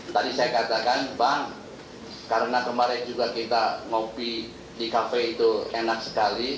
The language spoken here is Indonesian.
tadi saya katakan bang karena kemarin juga kita ngopi di kafe itu enak sekali